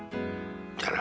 じゃあな。